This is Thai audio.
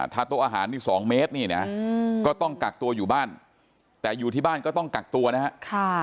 ถ้าโต๊ะอาหารนี่๒เมตรนี่นะก็ต้องกักตัวอยู่บ้านแต่อยู่ที่บ้านก็ต้องกักตัวนะครับ